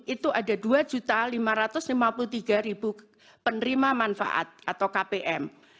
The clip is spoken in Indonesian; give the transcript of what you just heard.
itu ada dua lima ratus lima puluh tiga penerima manfaat atau kpm